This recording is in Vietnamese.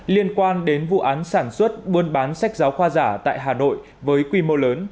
liên quan đến vụ án sản xuất buôn bán sách giáo khoa giả tại hà nội với quy mô lớn